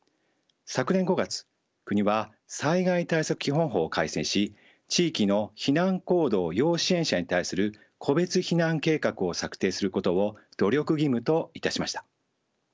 昨年５月国は災害対策基本法を改正し地域の避難行動要支援者に対する個別避難計画を策定することを努力義務といたしました。